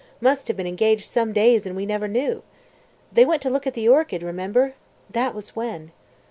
Must have been engaged some days and we never knew. They went to look at the orchid. Remember? That was when."